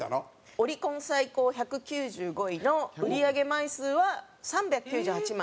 オリコン最高１９５位の売り上げ枚数は３９８枚。